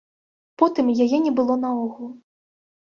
Потым яе не было наогул.